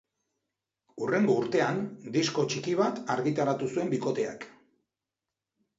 Hurrengo urtean, disko txiki bat argitaratu zuen bikoteak.